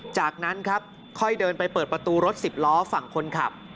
จากนั้นครับค่อยเดินไปเปิดประตูรถสิบล้อฝั่งคนขับ